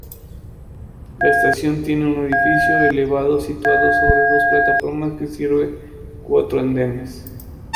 La estación tiene un edificio elevado situado sobre dos plataformas que sirve cuatro andenes.